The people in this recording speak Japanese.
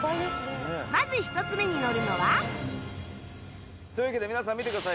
まず１つ目に乗るのはというわけで皆さん見てください。